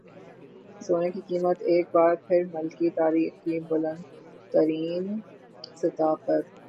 سونے کی قیمت ایک بار پھر ملکی تاریخ کی بلند ترین سطح پر